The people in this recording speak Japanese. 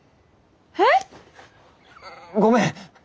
えっ！ごめん。